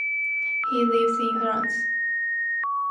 He lives in France.